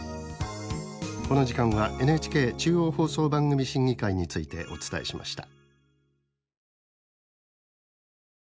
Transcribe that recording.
この時間はＮＨＫ中央放送番組審議会についてお伝えしました。